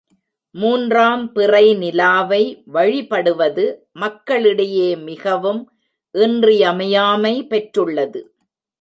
மூன்றாம் பிறை நிலாவை வழிபடுவது மக்களிடையே மிகவும் இன்றியமையாமை பெற்றுள்ளது.